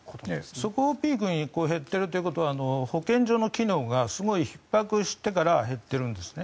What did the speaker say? そこをピークに減っているということは保健所の機能がすごくひっ迫してから減っているんですね。